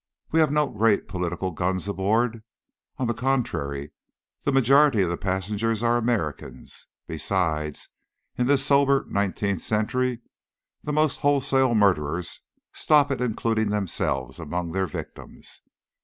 We have no great political guns aboard. On the contrary, the majority of the passengers are Americans. Besides, in this sober nineteenth century, the most wholesale murderers stop at including themselves among their victims.